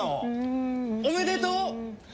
おめでとう！